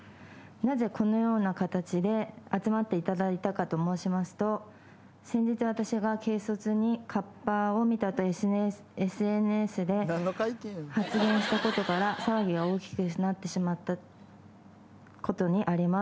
なぜこのような形で集まっていただいたかと申しますと先日私が軽率に「カッパを見た」とＳＮＳで発言したことから騒ぎが大きくなってしまったことにあります。